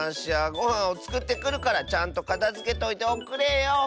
ごはんをつくってくるからちゃんとかたづけといておくれよ。